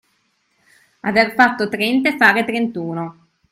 Aver fatto trenta e fare trentuno.